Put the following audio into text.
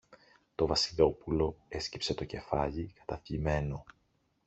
Το Βασιλόπουλο έσκυψε το κεφάλι, καταθλιμμένο.